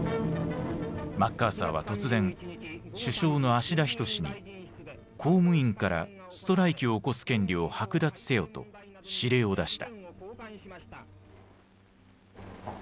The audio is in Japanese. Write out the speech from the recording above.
マッカーサーは突然首相の芦田均に「公務員からストライキを起こす権利を剥奪せよ」と指令を出した。